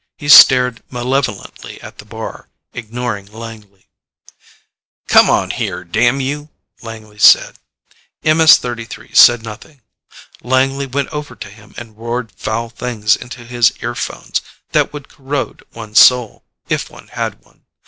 He stared malevolently at the bar, ignoring Langley. "Come on here, damn you!" Langley said. MS 33 said nothing. Langley went over to him and roared foul things into his earphones that would corrode one's soul, if one had one.